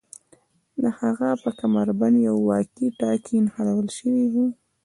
د هغه په کمربند یو واکي ټاکي نښلول شوی و